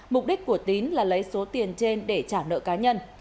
mục đích của tín là lấy số tiền trên để trả nợ cá nhân